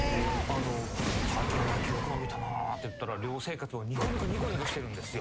最近お前記録伸びたなって言ったら寮生活をニコニコニコニコしてるんですよ。